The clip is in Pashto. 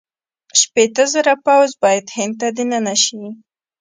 شپېته زره پوځ باید هند ته دننه شي.